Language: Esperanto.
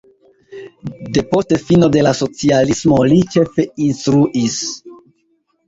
Depost fino de la socialismo li ĉefe instruis.